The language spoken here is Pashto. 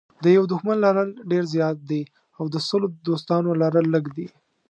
د یوه دښمن لرل ډېر زیات دي او د سلو دوستانو لرل لږ دي.